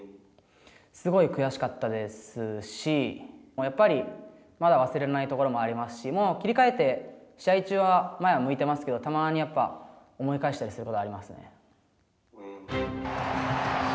すごい悔しかったですしやっぱりまだ忘れられないところもありますし、もう切り替えて、試合中は前は向いてますけど、たまにやっぱり思い返したりすることはありますね。